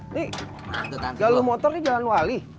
ini jalan motor ini jalan wali